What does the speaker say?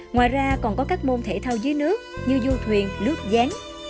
ngoài ra còn có các môn thể thao dưới nước như du thuyền lướt gián